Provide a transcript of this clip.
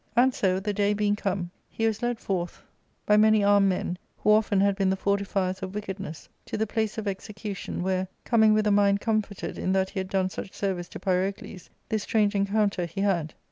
And SO; the day being come, he was led forth by many armed \/ 156 ARCADIA.^Book II. men, who often had been the fortifiers of wickedness, to the place of execution, where, coming with a mind comforted in that he had done such service to Pyrocles, this strange encounter he had.